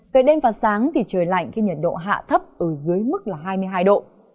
về đêm và sáng thì trời lạnh khi nhiệt độ hạ thấp ở dưới mức là hai mươi hai độ